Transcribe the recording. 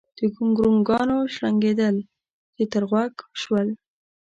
د ګونګرونګانو شړنګېدل يې تر غوږ شول